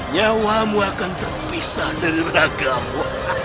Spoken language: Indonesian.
nyawamu akan terpisah dari ragammu